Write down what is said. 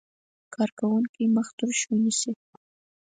کارکوونکی مخ تروش ونیسي.